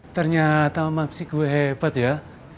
ternyata emak si gue hebat ya